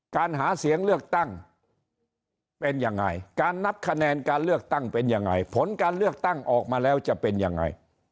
การหาเสียงเลือกตั้งเป็นยังไงการนับคะแนนการเลือกตั้งเป็นยังไงผลการเลือกตั้งออกมาแล้วจะเป็นยังไง